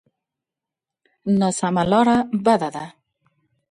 ناسمه لاره بده ده.